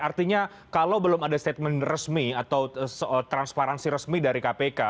artinya kalau belum ada statement resmi atau transparansi resmi dari kpk